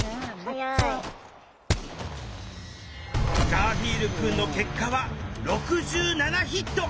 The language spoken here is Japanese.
ガーフィールくんの結果は６７ヒット！